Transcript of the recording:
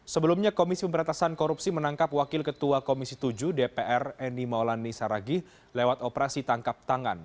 sebelumnya komisi pemberantasan korupsi menangkap wakil ketua komisi tujuh dpr eni maulani saragih lewat operasi tangkap tangan